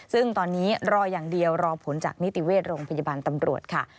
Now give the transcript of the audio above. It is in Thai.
ซึ่งตอนนี้รออย่างเดียวรอผลจากนิติเวชโรงพยาบาลตำรวจค่ะ